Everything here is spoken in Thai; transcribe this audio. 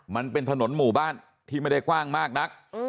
มันเป็นถนนหมู่บ้านที่ไม่ได้กว้างมากนัก